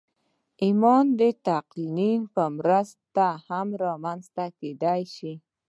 ایمان د تلقین په مرسته هم رامنځته کېدای شي